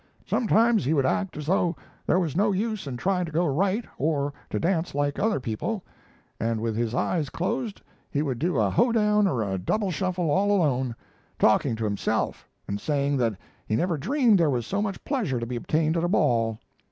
Sometimes he would act as though there was no use in trying to go right or to dance like other people, and with his eyes closed he would do a hoe down or a double shuffle all alone, talking to himself and saying that he never dreamed there was so much pleasure to be obtained at a ball.